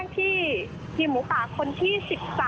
ที่ทีมหมูป่าคนที่๑๓